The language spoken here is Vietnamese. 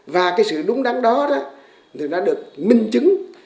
và cái sự đúng đắn đó thì nó được minh chứng